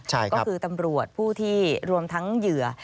ก็คือตำรวจผู้ที่รวมทั้งเหยื่อ